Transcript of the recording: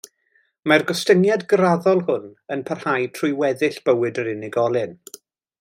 Mae'r gostyngiad graddol hwn yn parhau trwy weddill bywyd yr unigolyn.